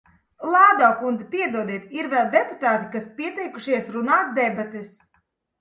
Lāzo kundze, piedodiet, ir vēl deputāti, kas ir pieteikušies runāt debatēs.